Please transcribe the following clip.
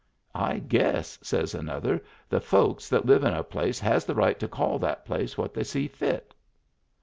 " I guess," says another, " the folks that live in a place has the right to call that place what they see fit."